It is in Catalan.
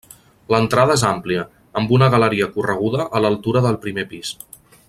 L'entrada és àmplia, amb una galeria correguda a l'altura del primer pis.